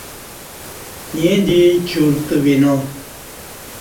ییں دی چرتہ وینا